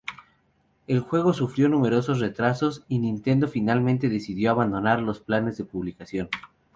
El juego sufrió numerosos retrasos, y Nintendo finalmente decidió abandonar los planes de publicación.